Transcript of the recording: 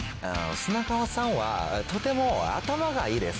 砂川さんはとても頭がいいです。